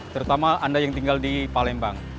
terutama anda yang tinggal di palembang